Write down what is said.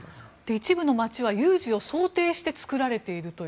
一部の街は有事を想定して作られていると。